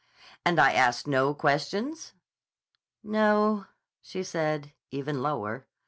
"And I asked no questions?" "No," she said, even lower.